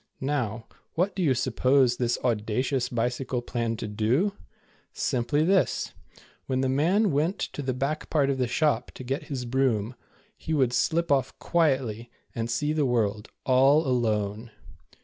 Now, what do you suppose this audacious bicycle planned to do ? Simply this. When the man went to the back part of the shop to get his broom, he would slip off quietly, and see the world, all alone.